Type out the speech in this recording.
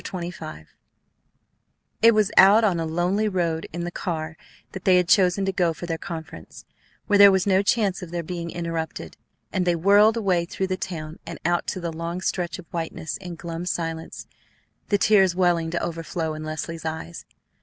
CHAPTER XXV It was out on a lonely road in the car that they had chosen to go for their conference, where there was no chance of their being interrupted; and they whirled away through the town and out to the long stretch of whiteness in glum silence, the tears welling to overflow in Leslie's eyes.